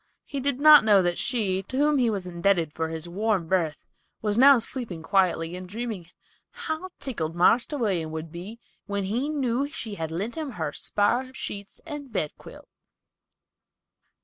He did not know that she, to whom he was indebted for his warm berth, was now sleeping quietly and dreaming "how tickled Marster William would be when he knew she had lent him her spare sheets and bedquilt!"